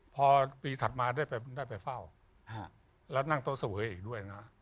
พอปีถัดมาได้ไปเฝ้าแล้วนั่งโต๊ะเสวยอีกด้วยนะ